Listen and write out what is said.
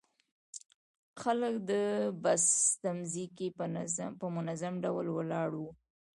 خلک د بس تمځي کې په منظم ډول ولاړ وو.